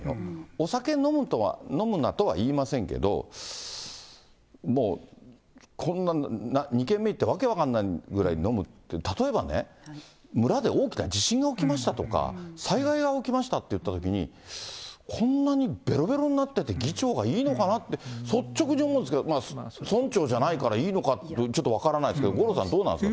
お酒飲むなとは言いませんけど、もうこんな２軒目行ってわけわかんないぐらい飲むって、例えばね、村で大きな地震が起きましたとか、災害が起きましたっていったときに、こんなにべろべろになってて、議長がいいのかなって、率直に思うんですけど、村長じゃないからいいのかって、ちょっと分からないですけど、五郎さんどうなんですか。